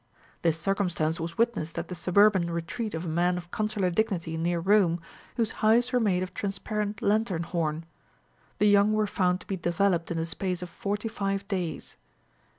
This circumstance was witnessed at the suburban retreat of a man of consular dignity near Rome, whose hives were made of transparent lantern horn : the young were found to be deve loped in the space of forty five days.